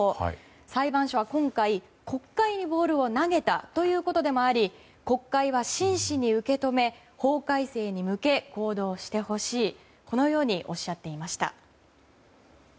裁判所は今回、国会にボールを投げたということでもあり国会は真摯に受け止め法改正に向け行動してほしいとおっしゃっていました。